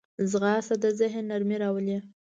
ځغاسته د ذهن نرمي راولي